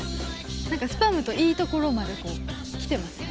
なんかスパムといいところまでこう、来てますね。